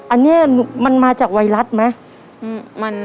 อันนี้มันมาจากไวรัสไหม